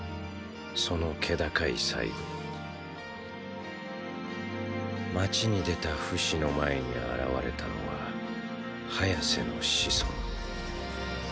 その気高い最期街に出たフシの前に現れたのはハヤセの子孫